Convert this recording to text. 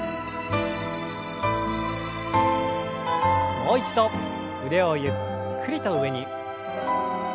もう一度腕をゆっくりと上に。